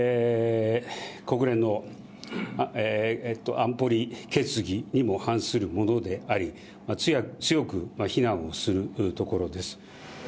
国連の安保理決議にも反するものであり、強く非難をするところです。